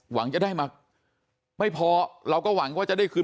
หวังจะได้มาไม่พอเราก็หวังว่าจะได้คืน